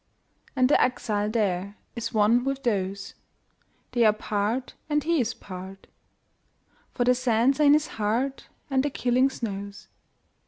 And the exile thereIs one with those; They are part, and he is part, For the sands are in his heart, And the killing snows.